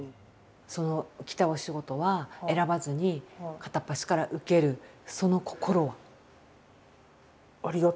来たお仕事は選ばずに片っ端から受けるその心は？